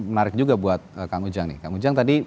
menarik juga buat kak mujang nih